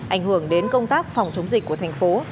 ảnh hưởng đến công tác phòng chống dịch của thành phố